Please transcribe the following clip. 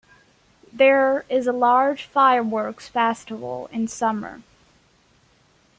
There is a large fireworks festival in summer.